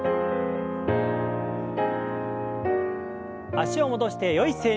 脚を戻してよい姿勢に。